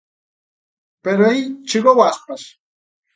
Pero aí chegou Aspas.